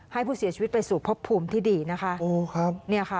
ให้ผู้เสียชีวิตไปสู่พบภูมิที่ดีนะคะ